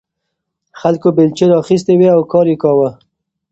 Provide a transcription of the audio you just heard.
خلکو بیلچې راخیستې وې او کار یې کاوه.